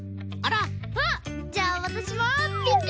あっじゃあわたしもびっくり！